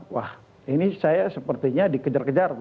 wah ini saya sepertinya dikejar kejar